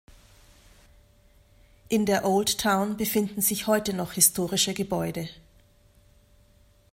In der Old Town befinden sich heute noch historische Gebäude.